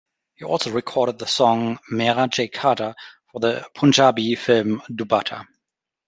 He also recorded the song Mera Jee Karda for the Punjabi film 'Dupatta'.